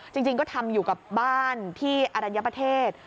จริงก็ทำอยู่กับบ้านที่อรัญญประเทศ